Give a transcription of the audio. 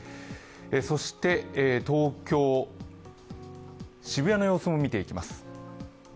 そして東京・渋谷の様子も見ていきます。